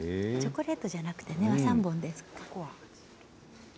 チョコレートじゃなくてね和三盆で。